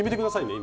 今。